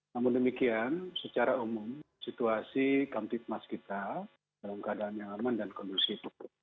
namun demikian secara umum situasi kamtip mas kita dalam keadaan yang aman dan kondisi itu